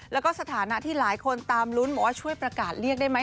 แล้วก็สถานะที่หลายคนตามลุ้นบอกว่าช่วยประกาศเรียกได้ไหม